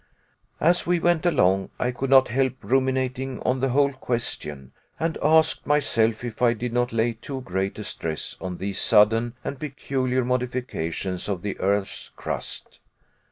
As we went along I could not help ruminating on the whole question, and asked myself if I did not lay too great a stress on these sudden and peculiar modifications of the earth's crust.